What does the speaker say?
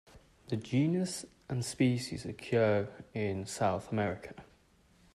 The genus and species occurs in South America.